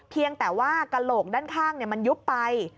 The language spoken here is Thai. เพียงแต่ว่ากระโหลกด้านข้างมันยุบไป